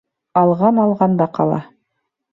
Алған алғанда ҡала.